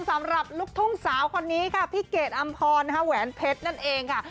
สำหรับลูกทุ่งสาวคนนี้ค่ะพี่เกดอำพรแหวนเพชรนั่นเองค่ะ